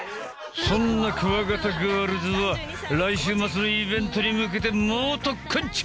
そんなくわがたガールズは来週末のイベントに向けて猛特訓中！